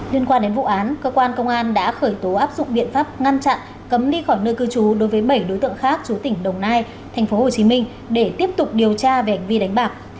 liên quan đến vụ án cơ quan công an đã khởi tố áp dụng biện pháp ngăn chặn cấm đi khỏi nơi cư trú đối với bảy đối tượng khác trú tỉnh đông nai thành phố hồ chí minh để tiếp tục điều tra về hành vi đánh bạc